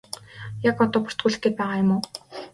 Яг одоо бүртгүүлэх гээд байгаа юм уу?